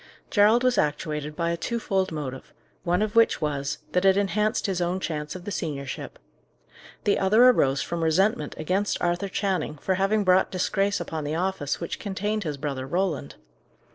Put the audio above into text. Gerald was actuated by a twofold motive, one of which was, that it enhanced his own chance of the seniorship. The other arose from resentment against Arthur Channing, for having brought disgrace upon the office which contained his brother Roland.